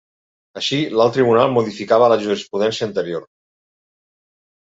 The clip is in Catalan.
Així, l’alt tribunal modificava la jurisprudència anterior.